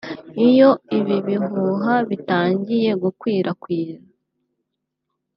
Iyo ibi bihuha bitangiye gukwirakwira